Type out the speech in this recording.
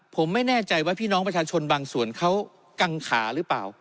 ผมไม่แน่ใจว่าพี่น้องประชาชนบางส่วนเขากังขาหรือเปล่า